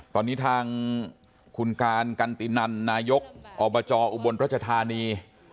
ตอนนี้ทางคุณการกันตินันนายกอบจอุบลรัชธานี